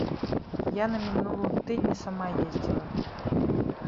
Я на мінулым тыдні сама ездзіла.